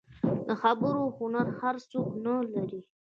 د خبرو هنر هر څوک نه لري.